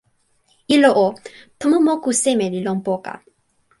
ilo o, tomo moku seme li lon poka?